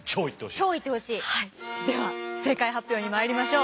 では正解発表に参りましょう。